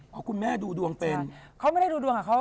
เหรอคุณแม่ดูดวงเป็น